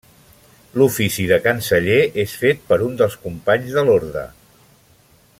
L'ofici de canceller és fet per un dels companys de l'orde.